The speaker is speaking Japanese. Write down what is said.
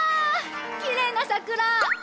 きれいな桜！